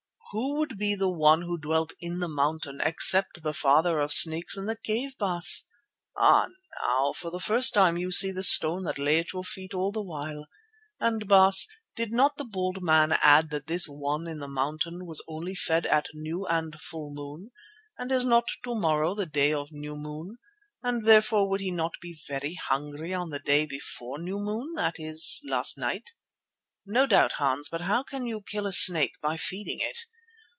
"Who would be the One who dwelt in the mountain except the Father of Snakes in the cave, Baas? Ah, now for the first time you see the stone that lay at your feet all the while. And, Baas, did not the bald man add that this One in the mountain was only fed at new and full moon, and is not to morrow the day of new moon, and therefore would he not be very hungry on the day before new moon, that is, last night?" "No doubt, Hans; but how can you kill a snake by feeding it?"